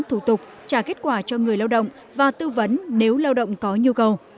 thủ tục trả kết quả cho người lao động và tư vấn nếu lao động có nhu cầu